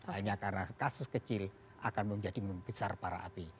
hanya karena kasus kecil akan menjadi membesar para api